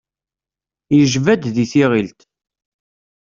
Yejba-d di tiɣilt.